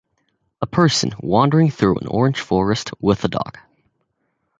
A person wandering through an orange forest with a dog.